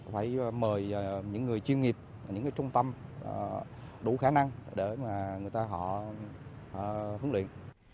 phải mời những người chuyên nghiệp những trung tâm đủ khả năng để mà người ta họ huấn luyện